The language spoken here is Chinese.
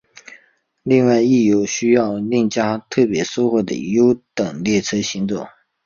另外亦有需要另加特别收费的优等列车行走。